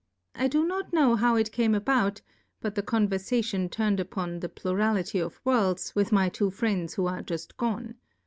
Ido not know how it came about, but theConverfation turn'd upon the Plurality of Worlds with my two Friends who are jufl: gone.